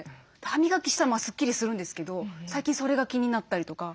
歯磨きしたらスッキリするんですけど最近それが気になったりとか。